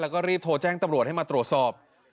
แล้วก็รีบโทรแจ้งตำรวจให้มาตรวจสอบ